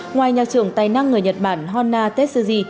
ngoài nhà trưởng tài năng người nhật bản honna tetsuji